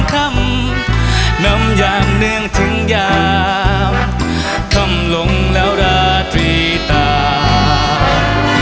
คำนำยามเนื่องถึงยามค่ำลงแล้วราตรีต่าง